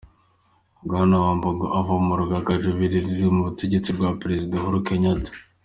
Bwana Wambugu ava mu rugaga Jubilee ruri ku butegetsi rwa Perezida Uhuru Kenyatta.